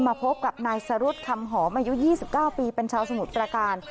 พบกับนายสรุธคำหอมอายุ๒๙ปีเป็นชาวสมุทรประการ